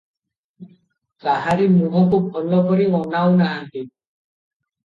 କାହାରି ମୁହଁକୁ ଭଲ କରି ଅନାଉ ନାହାନ୍ତି ।